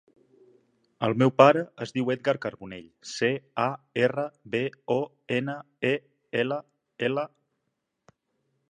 El meu pare es diu Edgar Carbonell: ce, a, erra, be, o, ena, e, ela, ela.